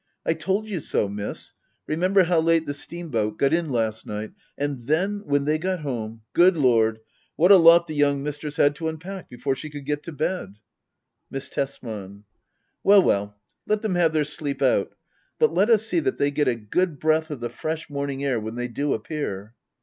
^ I told you so. Miss. Remember how late the steamboat got in last night And then, when they got home !— good Lord, what a lot the young mistress had to unpack before she could get to bed. Miss Tesman. Well well — let them have their sleep out. But let us see that they get a good breath of the fresh morning air when they do appear.